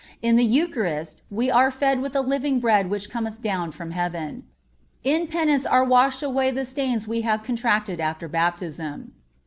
In the Eucharist we are fed with the living Bread which cometh down from Heaven. In Penance are washed away the stains we have contracted after Baptism.